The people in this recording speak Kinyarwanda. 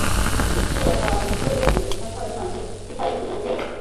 kubaka imico irenze imipaka isanzwe. - peter f. drucker